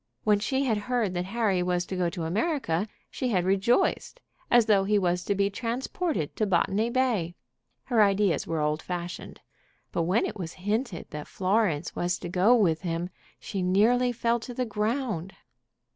When she had heard that Harry was to go to America she had rejoiced, as though he was to be transported to Botany Bay. Her ideas were old fashioned. But when it was hinted that Florence was to go with him she nearly fell to the ground.